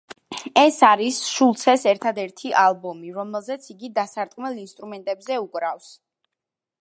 ეს არის შულცეს ერთადერთი ალბომი, რომელზეც იგი დასარტყმელ ინსტრუმენტებზე უკრავს.